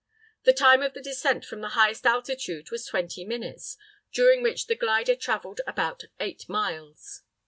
The time of the descent from the highest altitude was twenty minutes, during which the glider travelled about eight miles.